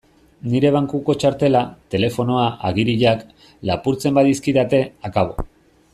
Nire bankuko txartela, telefonoa, agiriak... lapurtzen badizkidate, akabo!